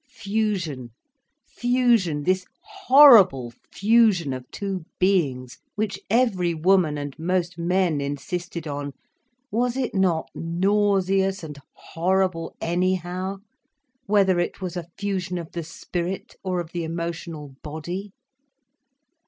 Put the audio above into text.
Fusion, fusion, this horrible fusion of two beings, which every woman and most men insisted on, was it not nauseous and horrible anyhow, whether it was a fusion of the spirit or of the emotional body?